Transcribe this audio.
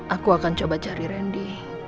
aku akan coba cari randy